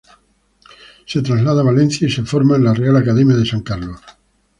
Se traslada a Valencia y se forma en la Real Academia de San Carlos.